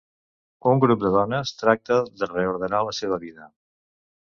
Un grup de dones tracta de reordenar la seva vida.